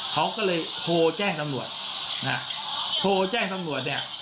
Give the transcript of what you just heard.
เขาก็เลยโทรแจ้งตำรวจนะโทรแจ้งตำรวจเนี่ย